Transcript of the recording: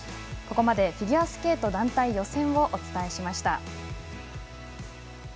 ここまでフィギュアスケート団体予選をお伝えしました。